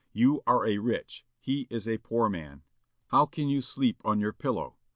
You are a rich he is a poor man. How can you sleep on your pillow?